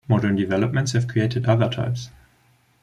Modern developments have created other types.